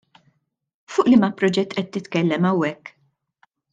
Fuq liema proġett qed titkellem hawnhekk?